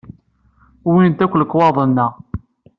Wwint akk lekwaɣeḍ-nneɣ.